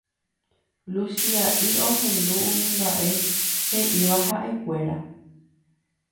Luchia'i ohendu umi mba'e he'íva ha'ekuéra